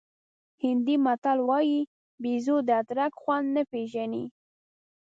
هندي متل وایي بېزو د ادرک خوند نه پېژني.